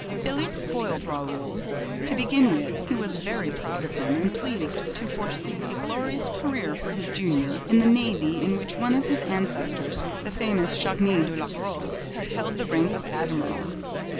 Philippe spoiled Raoul. To begin with, he was very proud of him and pleased to foresee a glorious career for his junior in the navy in which one of their ancestors, the famous Chagny de La Roche, had held the rank of admiral.